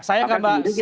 saya akan bahas